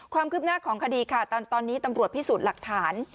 ความคืบหน้าของคดีค่ะตอนนี้ตำรวจพิสูจน์หลักฐาน